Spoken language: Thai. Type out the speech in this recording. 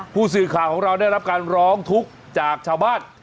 ผู้สื่อข่าวของเราได้รับการร้องทุกข์จากชาวบ้าน